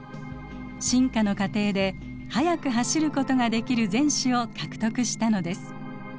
進化の過程で速く走ることができる前肢を獲得したのです。